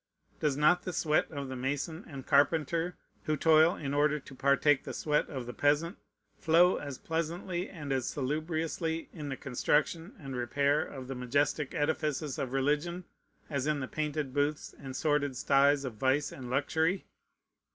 Does not the sweat of the mason and carpenter, who toil in order to partake the sweat of the peasant, flow as pleasantly and as salubriously in the construction and repair of the majestic edifices of religion as in the painted booths and sordid sties of vice and luxury?